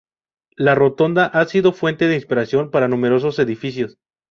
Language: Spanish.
La Rotonda ha sido fuente de inspiración para numerosos edificios.